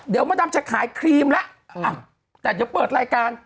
เดี๋ยวมันนำจะขายครีมล่ะแต่อยากเปิดรายการ